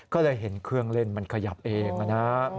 ก็เลยเห็นเครื่องเล่นมันขยับเองนะครับ